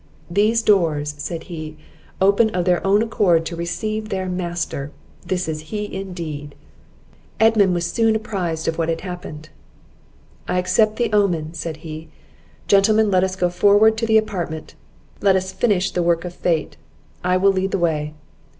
"These doors," said he, "open of their own accord to receive their master! this is he indeed!" Edmund was soon apprized of what had happened. "I accept the omen!" said he. "Gentlemen, let us go forward to the apartment! let us finish the work of fate! I will lead the way."